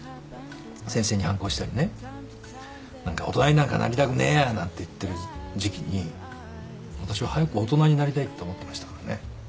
先生に反抗したりね何か大人になんかなりたくねえやなんて言ってる時期に私は早く大人になりたいって思ってましたからね。